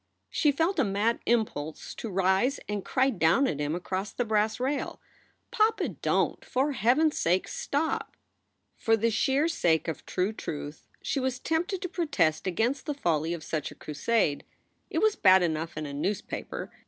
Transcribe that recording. She felt a mad impulse to rise and cry down at him across the brass rail : "Papa, don t ! For Heaven s sake, stop !" For the sheer sake of true truth, she was tempted to pro test against the folly of such a crusade. It was bad enough in a newspaper.